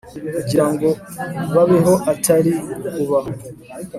kugira ngo babeho atari ukubaho